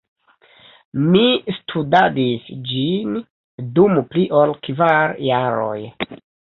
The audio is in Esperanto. Mi studadis ĝin dum pli ol kvar jaroj.